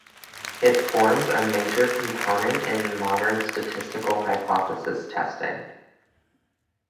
It forms a major component in modern statistical hypothesis testing.